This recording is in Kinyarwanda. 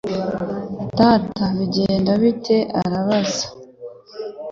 Data, bigenda bite?" arabaza.